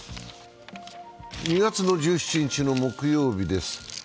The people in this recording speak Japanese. ２月１７日木曜日です。